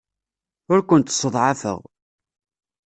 Ur kent-sseḍɛafeɣ.